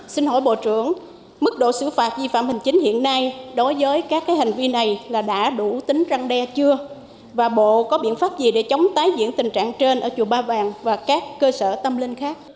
xin hỏi bộ trưởng mức độ xử phạt di phạm hình chính hiện nay đối với các hành vi này là đã đủ tính răng đe chưa và bộ có biện pháp gì để chống tái diễn tình trạng trên ở chùa ba vàng và các cơ sở tâm linh khác